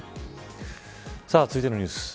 続いてのニュース。